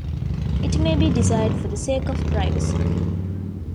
It may be desired for the sake of privacy.